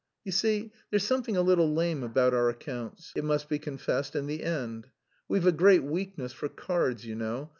You see there's something a little lame about our accounts it must be confessed, in the end. We've a great weakness for cards, you know....